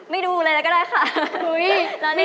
ดูเลยแล้วก็ได้ค่ะ